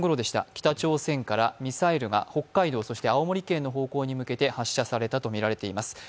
北朝鮮からミサイルが北海道、そして青森県の方向に向けて発射されたとみられています。